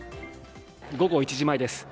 午後１時前です。